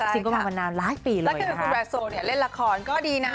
ใช่ค่ะแล้วคือคุณแวโซเนี่ยเล่นละครก็ดีนะ